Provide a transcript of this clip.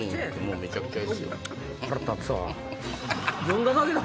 めちゃくちゃやな！